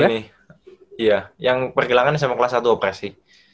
yang ini iya yang pergelangan sma kelas satu operasi